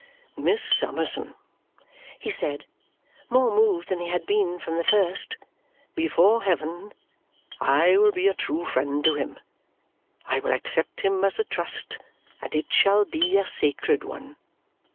"Miss Summerson," he said, more moved than he had been from the first, "before heaven, I will be a true friend to him! I will accept him as a trust, and it shall be a sacred one!"